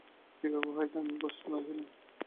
চিকাগো হইতে আমি বষ্টনে আসিলাম।